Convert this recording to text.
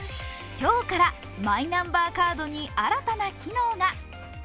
今日からマイナンバーカードに新たな機能が。